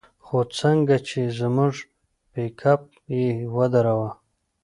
خو څنگه چې زموږ پېکپ يې ودراوه.